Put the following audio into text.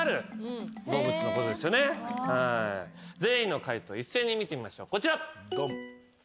全員の解答一斉に見てみましょうこちら。